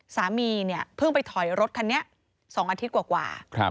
สามีเนี่ยเพิ่งไปถอยรถคันนี้๒อาทิตย์กว่า